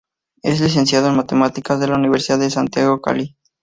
Es licenciado en matemáticas de la Universidad Santiago de Cali.